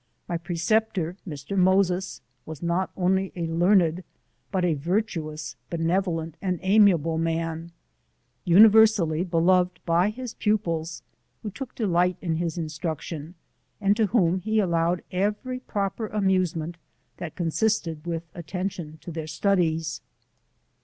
My preceptor, Mr. Moses, was not only a learned, but a virtuous, benevolent, and amiable man, universally beloved by his pu pils, who took delight in his instruction, and to whom he allowed €very proper amusement, that consisted with attention to their studies.